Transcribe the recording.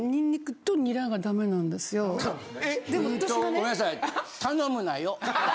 ごめんなさい。